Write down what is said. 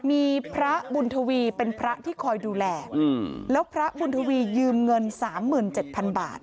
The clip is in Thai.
มีพระบุญทวีเป็นพระที่คอยดูแลแล้วพระบุญทวียืมเงินสามหมื่นเจ็ดพันบาท